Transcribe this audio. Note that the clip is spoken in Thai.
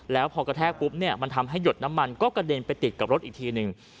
แล้วพอกระแทกปุ๊บเนี่ยมันทำให้หยดน้ำมันก็กระเด็นไปติดกับรถอีกทีหนึ่ง